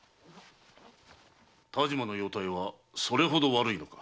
但馬の容体はそれほど悪いのか？